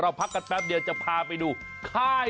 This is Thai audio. ้าวไปบ้านดินบนแดงคลั้งนี้คุ้มนะ